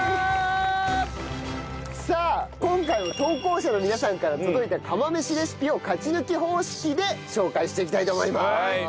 さあ今回は投稿者の皆さんから届いた釜飯レシピを勝ち抜き方式で紹介していきたいと思います。